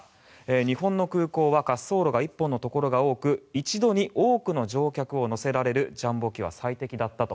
日本の空港は滑走路が１本のところが多く一度に多くの乗客を乗せられるジャンボ機は最適だったと。